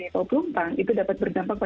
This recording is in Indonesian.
positifnya aah lubang untuk diperhatikan usine